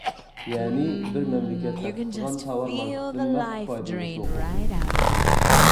يەنى بىر مەملىكەت تەستىقلىغان تاۋار ماركىسىدىن مەخسۇس پايدىلىنىش ھوقۇقى.